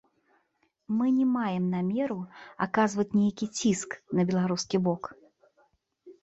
Мы не маем намеру аказваць нейкі ціск на беларускі бок.